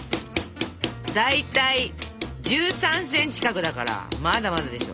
大体１３センチ角だからまだまだでしょ。